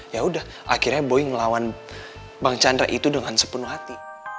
ya udah akhirnya boeing lawan bang chandra itu dengan sepenuh hati